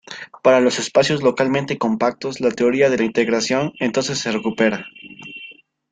Para los espacios localmente compactos la teoría de la integración entonces se recupera.